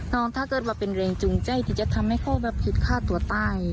น้องถ้าเกิดว่าเป็นเร่งจูงใจที่จะทำให้เขาพิษภาพตัวใต้